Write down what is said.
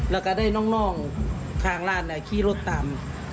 แล้วก็ได้น้องทางร้านขี่รถตาม